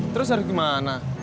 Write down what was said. terus harus gimana